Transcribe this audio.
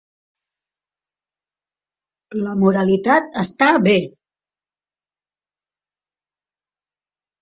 La moralitat està bé.